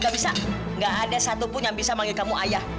gak bisa gak ada satupun yang bisa manggil kamu ayah